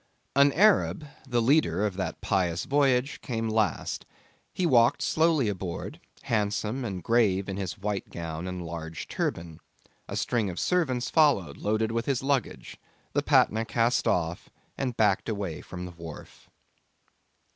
An Arab, the leader of that pious voyage, came last. He walked slowly aboard, handsome and grave in his white gown and large turban. A string of servants followed, loaded with his luggage; the Patna cast off and backed away from the wharf.